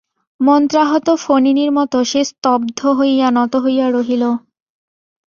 মন্ত্রাহত ফণিনীর মতো সে স্তব্ধ হইয়া নত হইয়া রহিল।